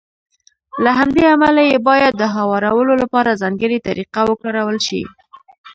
له همدې امله يې بايد د هوارولو لپاره ځانګړې طريقه وکارول شي.